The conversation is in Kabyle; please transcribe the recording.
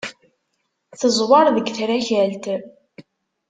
Teẓwer deg trakalt.